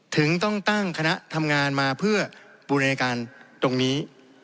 ถึงต้องตั้งคณะทำงานมาเพื่อบูรณาการตรงนี้